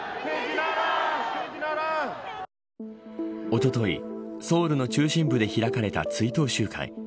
おととい、ソウルの中心部で開かれた追悼集会。